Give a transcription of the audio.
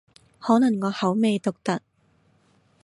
可能我口味獨特